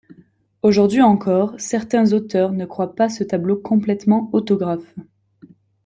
Aujourd'hui encore, certains auteurs ne croient pas ce tableau complètement autographe.